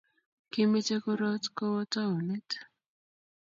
kimeche kuroot kowo townit